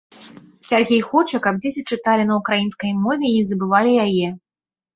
Сяргей хоча, каб дзеці чыталі на ўкраінскай мове і не забывалі яе.